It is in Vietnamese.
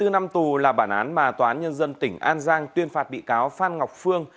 hai mươi năm tù là bản án mà tòa án nhân dân tỉnh an giang tuyên phạt bị cáo phan ngọc phương